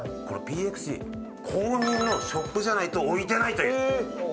このＰＸＧ公認のショップじゃないと置いてないという。